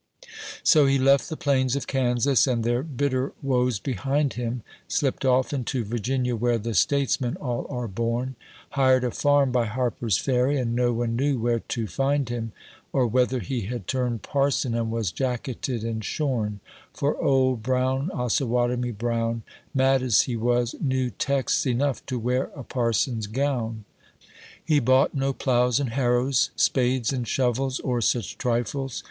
A BALLAD FOR TUB TIMES. 65 So he left the plains of Kansas and their bitter woes behind him — Slipt off into Virginia, where the statesmen all are bom — Hired a farm by Harper's Ferry, and no one knew where to find him, Or whether he had turned parson, and was jacketed and shorn, For Old Brown. Osawatomie Brown, Mad as he was, knew texts enough to wear a parson's gown. He bought no ploughs and harrows, spades and shovels, or such trifles.